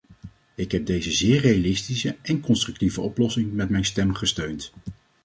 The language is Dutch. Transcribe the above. Ik heb deze zeer realistische en constructieve oplossing met mijn stem gesteund.